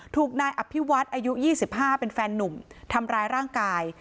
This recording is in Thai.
ถูกนายอภิวัฒน์อายุ๒๕เป็นแฟนนุ่มทำร้ายร่างกาย